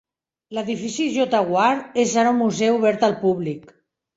L'edifici J Ward és ara un museu obert al públic.